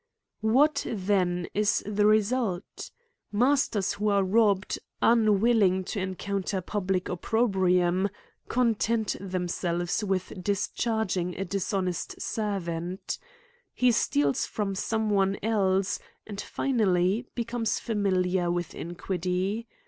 What then is the result ? Masters who are rob bed, unwilling to tnconnXtr public opprobrium^ content themselves with discharging a dishonest servant, he steals from some one else, and finally, becomes familiar with iniquity.